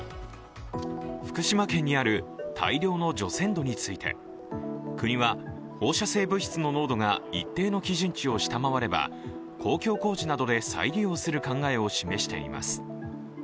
福島県にある大量の除染土について、国は放射性物質の濃度が一定の基準値を下回れば公共工事などで再利用する考えを示しています。